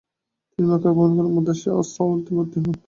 তিনি মক্কা গমন করে মাদ্রাসা আস-সাওলাতিয়ায় ভর্তি হন।